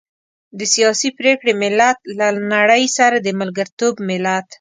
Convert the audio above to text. د سياسي پرېکړې ملت، له نړۍ سره د ملګرتوب ملت.